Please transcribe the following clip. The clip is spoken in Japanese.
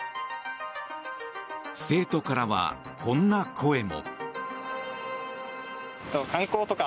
生徒からはこんな声も。